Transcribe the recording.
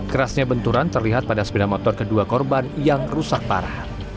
kerasnya benturan terlihat pada sepeda motor kedua korban yang rusak parah